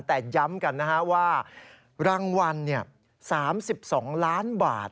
แต่ย้ำกันว่ารางวัล๓๒๒๐๐๐๐๐๐บาท